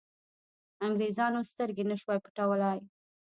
انګرېزانو سترګې نه شوای پټولای.